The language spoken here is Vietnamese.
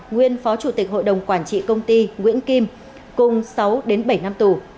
nguyên phó chủ tịch hội đồng quản trị công ty nguyễn kim cùng sáu đến bảy năm tù